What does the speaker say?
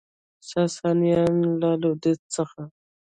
ساسانیان له لویدیځ څخه